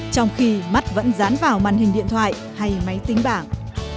trong khi mắt vẫn dán vào màn hình điện thoại hay máy tính bảng